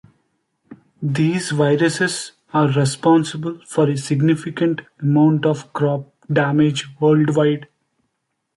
These viruses are responsible for a significant amount of crop damage worldwide.